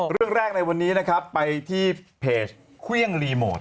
เรื่องแรกในวันนี้นะครับไปที่เพจเครื่องรีโมท